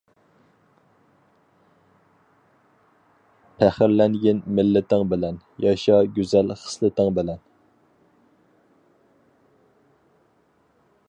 پەخىرلەنگىن مىللىتىڭ بىلەن، ياشا گۈزەل خىسلىتىڭ بىلەن.